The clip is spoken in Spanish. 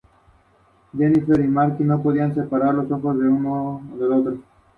En su orilla izquierda se hallan fuentes minerales.